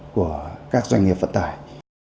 của các doanh nghiệp vận tải